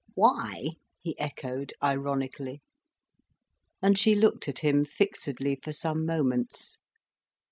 "Why?" he echoed, ironically. And she looked at him fixedly for some moments.